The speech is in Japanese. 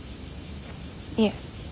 いえ。